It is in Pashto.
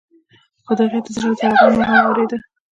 چې د هغې د زړه ضربان مو هم اوریده.